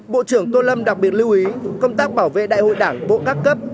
bộ trưởng tô lâm đặc biệt lưu ý công tác bảo vệ đại hội đảng bộ các cấp